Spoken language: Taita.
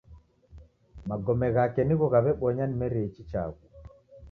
Magome ghake nigho ghaw'ebonya nimerie ichi chaghu